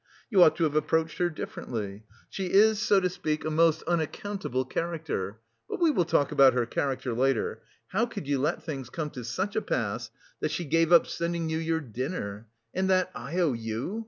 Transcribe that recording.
You ought to have approached her differently. She is, so to speak, a most unaccountable character. But we will talk about her character later.... How could you let things come to such a pass that she gave up sending you your dinner? And that I O U?